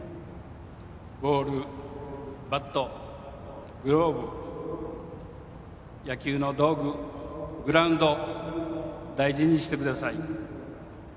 ボール、バット、グローブ野球の道具、グラウンド大事にしてください。